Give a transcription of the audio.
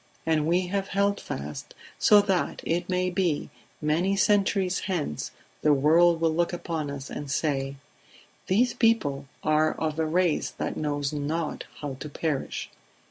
And we have held fast, so that, it may be, many centuries hence the world will look upon us and say: These people are of a race that knows not how to perish